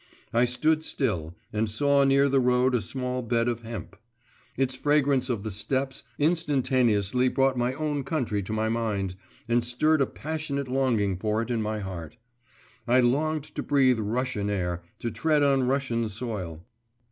I stood still, and saw near the road a small bed of hemp. Its fragrance of the steppes instantaneously brought my own country to my mind, and stirred a passionate longing for it in my heart. I longed to breathe Russian air, to tread on Russian soil.